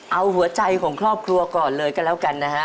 เอาหัวใจของครอบครัวก่อนเลยก็แล้วกันนะฮะ